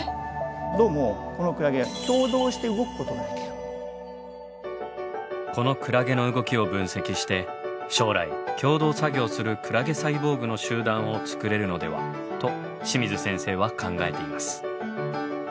どうもこのクラゲこのクラゲの動きを分析して将来協同作業するクラゲサイボーグの集団を作れるのではと清水先生は考えています。